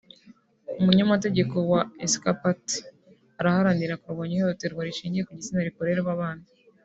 umunyamategeko wa Ecpat iharanira kurwanya ihohoterwa rishingiye ku gitsina rikorerwa abana